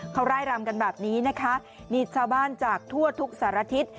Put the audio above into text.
เขาไล่รำกันแบบนี้นะคะมีชาวบ้านจากทั่วทุกสารทิศ